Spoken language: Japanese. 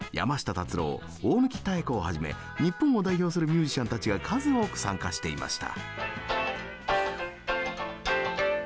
達郎大貫妙子をはじめ日本を代表するミュージシャンたちが数多く参加していました。